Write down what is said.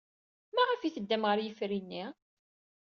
Maɣef ay teddam ɣer yifri-nni?